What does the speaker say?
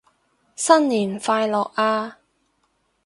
新年快樂啊